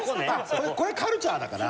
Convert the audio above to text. これカルチャーだから。